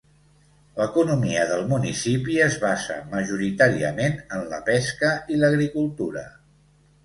L'economia del municipi es basa majoritàriament en la pesca i l'agricultura.